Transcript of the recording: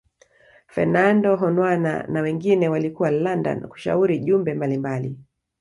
Fernando Honwana na wengine walikuwa London kushauri jumbe mbali mbali